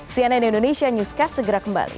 cnn indonesia newscast segera kembali